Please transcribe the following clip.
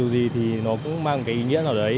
gì thì nó cũng mang cái ý nghĩa nào đấy